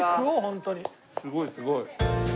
すごいすごい。